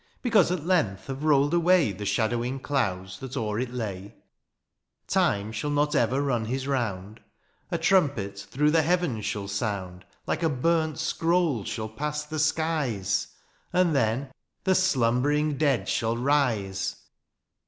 ^^^ Because at length have rolled away ^^The shadowing clouds that o^er it lay : ^^Time shall not ever run his round ;'^ A trumpet through the heavens shall soimd ;^^ Like a burnt scroll shall pass the skies ! ^^And then the slumbering dead shall rise